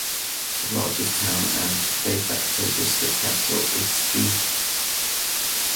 The largest town, and "de facto" district capital, is Ski.